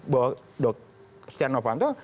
bahwa dokter stianopanto